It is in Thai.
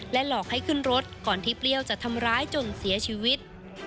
หลอกให้ขึ้นรถก่อนที่เปรี้ยวจะทำร้ายจนเสียชีวิต